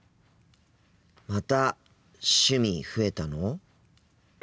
また趣味増えたの！？